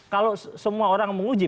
kalau semua orang menguji